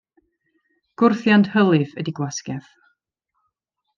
Gwrthiant hylif ydy gwasgedd.